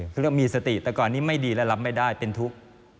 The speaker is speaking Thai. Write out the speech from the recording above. เขาก็มีสติแต่ก่อนนี้ไม่ดีและรับไม่ได้เป็นทุกข์